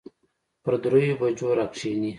پر دريو بجو راکښېني.